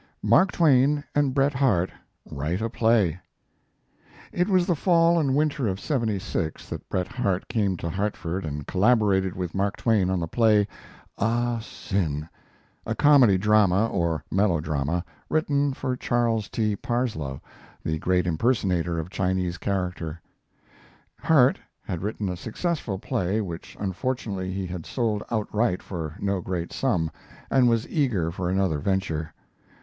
MARK TWAIN AND BRET HARTE WRITE A PLAY It was the fall and winter of '76 that Bret Harte came to Hartford and collaborated with Mark Twain on the play "Ah Sin," a comedy drama, or melodrama, written for Charles T. Parsloe, the great impersonator of Chinese character. Harte had written a successful play which unfortunately he had sold outright for no great sum, and was eager for another venture.